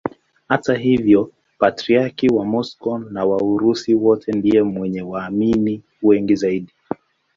Hata hivyo Patriarki wa Moscow na wa Urusi wote ndiye mwenye waamini wengi zaidi.